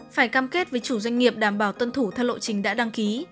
phải cam kết với chủ doanh nghiệp đảm bảo tuân thủ theo lộ trình đã đăng ký